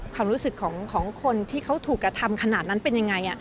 ความรู้สึกของคนที่เขาถูกกระทำขนาดนั้นเป็นยังไง